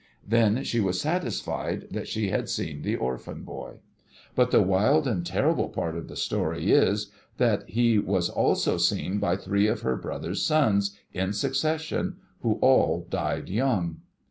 Then, she was satisfied that she had seen the Orphan Boy. But, the wild and terrible part of the story is, that he was also seen by three of her brother's sons, in succession, who all died young.